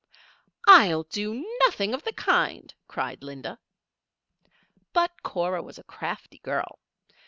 "I'll do nothing of the kind!" cried Linda. But Cora was a crafty girl.